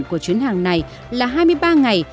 của chuyến hàng này là hai mươi ba ngày